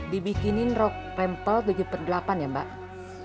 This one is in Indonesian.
dibikinin rok rempel tujuh x delapan ya mbak